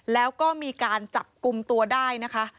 แล้วก็มีการจับกลุ่มตัวได้นะคะ